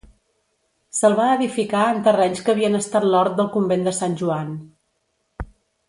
Se'l va edificar en terrenys que havien estat l'hort del convent de sant Joan.